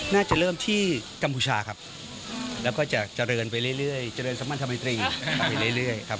น่าจะเริ่มที่กัมพูชาครับแล้วก็จะเจริญไปเรื่อยเจริญสัมพันธมิตรีไปเรื่อยครับ